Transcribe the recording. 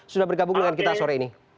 sudah bergabung dengan kita sore ini